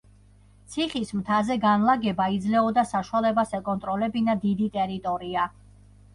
ციხის მთაზე განლაგება იძლეოდა საშუალებას ეკონტროლებინა დიდი ტერიტორია.